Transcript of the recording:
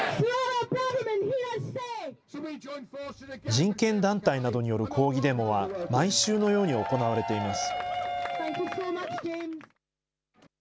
人権団体などによる抗議デモは、毎週のように行われています。